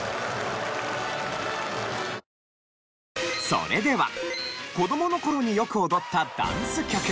それでは子どもの頃によく踊ったダンス曲。